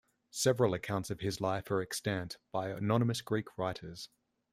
Several accounts of his life are extant, by anonymous Greek writers.